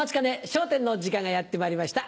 『笑点』の時間がやってまいりました。